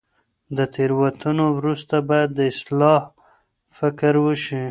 د تیروتنو وروسته باید د اصلاح فکر وشي.